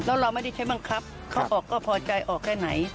แล้วเราไม่ได้ใช้บังคับเขาบอกก็พอใจออกแค่ไหน